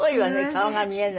顔が見えない。